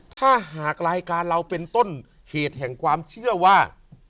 ถ้าหากรายการเราเป็นต้นเหตุแห่งความเชื่อว่า